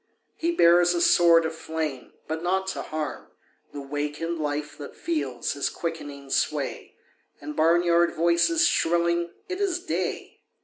He bears a sword of flame but not to harm The wakened life that feels his quickening sway And barnyard voices shrilling "It is day!"